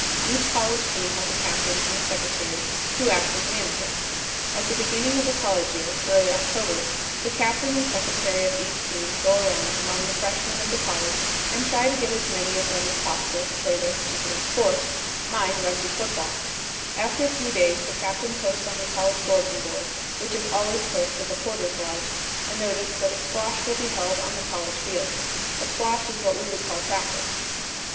Each college team has a captain and a secretary, who acts as manager. At the beginning of the college year (early October) the captain and secretary of each team go around among the freshmen of the college and try to get as many of them as possible to play their particular sport; mine Rugby football. After a few days the captain posts on the college bulletin board, which is always placed at the Porter's Lodge, a notice that a squash will be held on the college field. A squash is what we would call practice. [Illustration: "THE NEXT DAY THE PICTURE WAS GONE" Jim Cooney Making a Hole for Dana Kafer.